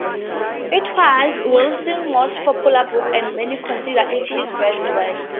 It was Wilson's most popular book, and many consider it his best work.